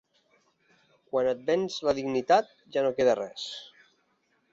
Quan et vens la dignitat ja no queda res.